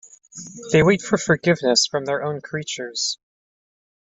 They wait for forgiveness from their own creatures.